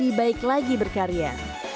jadi baik lagi berkarya